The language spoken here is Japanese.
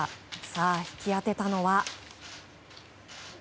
さあ、引き当てたのは。